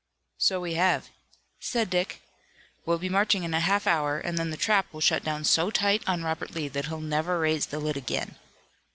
"So we have," said Dick, "we'll be marching in a half hour and then the trap will shut down so tight on Robert Lee that he'll never raise the lid again."